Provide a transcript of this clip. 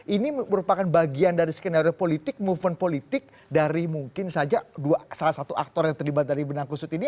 ini merupakan bagian dari skenario politik movement politik dari mungkin saja salah satu aktor yang terlibat dari benang kusut ini